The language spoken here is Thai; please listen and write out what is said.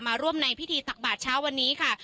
ร่วมในพิธีตักบาทเช้าวันนี้ค่ะ